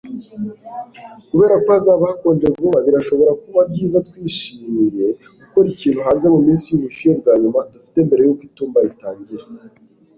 Kubera ko hazaba hakonje vuba birashobora kuba byiza twishimiye gukora ikintu hanze muminsi yubushyuhe bwa nyuma dufite mbere yuko itumba ritangira